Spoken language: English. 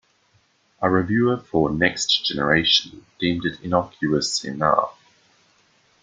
A reviewer for "Next Generation" deemed it "innocuous enough.